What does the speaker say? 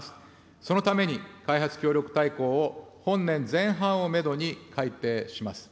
そのために開発協力大綱を、本年前半をメドに改定します。